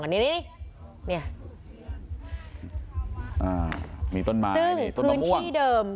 มีต้นไม้ต้นมะม่วงซึ่งพื้นที่เดิม